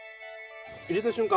入れた瞬間